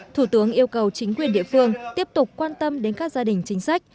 thủ tướng yêu cầu chính quyền địa phương tiếp tục quan tâm đến các gia đình chính sách